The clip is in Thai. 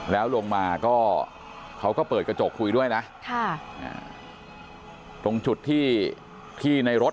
แล้วลงมาก็เขาก็เปิดกระจกคุยด้วยนะ